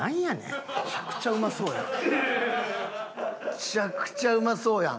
めちゃくちゃうまそうやん。